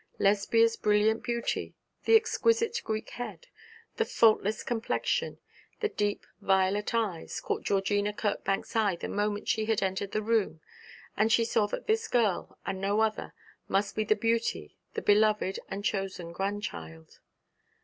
Lesbia's brilliant beauty, the exquisite Greek head, the faultless complexion, the deep, violet eyes, caught Georgina Kirkbank's eye the moment she had entered the room, and she saw that this girl and no other must be the beauty, the beloved and chosen grandchild.